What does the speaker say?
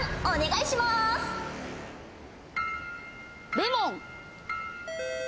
レモン。